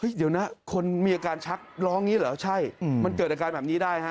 เดี๋ยวนะคนมีอาการชักร้องอย่างนี้เหรอใช่มันเกิดอาการแบบนี้ได้ฮะ